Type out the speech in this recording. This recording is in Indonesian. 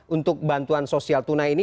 untuk bantuan sosial tunai ini